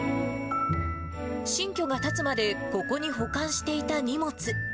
新居が建つまでここに保管していた荷物。